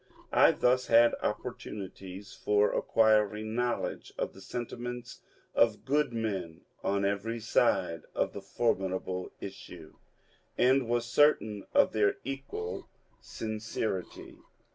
I thus had opportunities for acquiring knowledge of the sentiments of good men on every side of the formidable issue, and was certain of their equal sincerity.